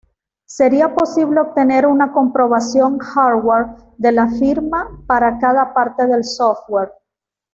Sería posible obtener una comprobación hardware de la firma para cada parte del software.